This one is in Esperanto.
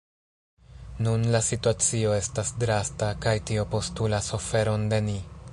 Nun la situacio estas drasta, kaj tio postulas oferon de ni.